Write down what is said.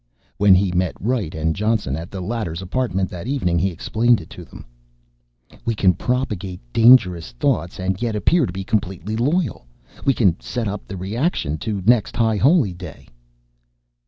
When he met Wright and Johnson at the latter's apartment that evening he explained it to them. "We can propagate 'dangerous' thoughts and yet appear completely loyal. We can set up the reaction to next High Holy Day."